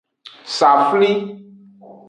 Safli.